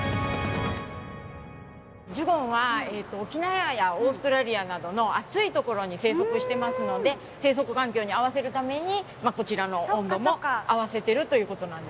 ジュゴンは沖縄やオーストラリアなどの暑いところに生息してますので生息環境に合わせるためにこちらの温度も合わせてるということなんですね。